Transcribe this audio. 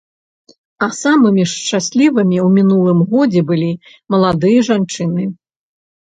А самымі ж шчаслівымі ў мінулым годзе былі маладыя жанчыны.